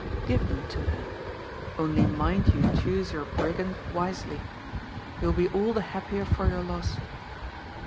Give them to her. ' Only mind you choose your brigand wisely. You will be all the happier for your loss.